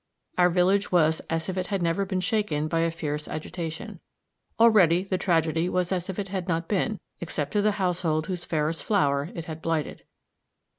Our village was as if it had never been shaken by a fierce agitation. Already the tragedy was as if it had not been, except to the household whose fairest flower it had blighted.